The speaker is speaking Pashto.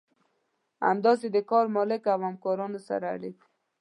همداسې د کار مالک او همکارانو سره اړيکې.